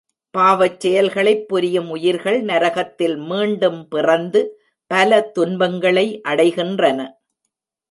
பாவச் செயல்களைப் புரியும் உயிர்கள் நரகத்தில் மீண்டும் பிறந்து பல துன்பங்களை அடைகின்றன.